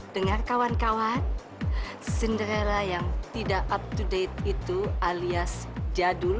dengar kawan kawan sendera yang tidak up to date itu alias jadul